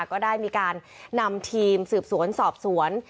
ก็ได้มีการนำทีมสืบสวนสอบสวน